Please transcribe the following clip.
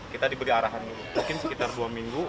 kita diberi arahan dulu mungkin sekitar dua minggu